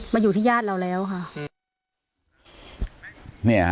มาอยู่ที่ญาติเราแล้วค่ะ